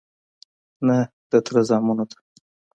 _نه، د تره زامنو ته..